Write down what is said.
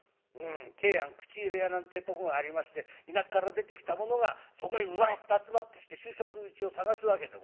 桂庵口入れ屋なんてとこがありまして田舎から出てきたものがそこへうわっと集まってきて就職口を探すわけでございます。